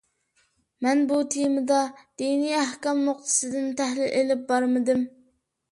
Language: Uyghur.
مەن بۇ تېمىدا دىنىي ئەھكام نۇقتىسىدىن تەھلىل ئېلىپ بارمىدىم.